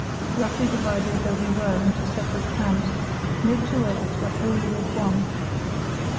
Roughly divided though we were into separate camps, no two of us were wholly at one.